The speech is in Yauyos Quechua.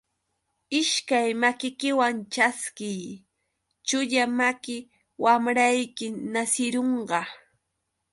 Ishkay makikiwan ćhaskiy, chulla maki wamrayki nasirunqa.